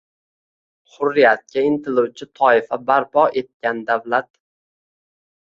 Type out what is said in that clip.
hurriyatga intiluvchi toifa barpo etgan davlat